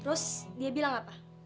terus dia bilang apa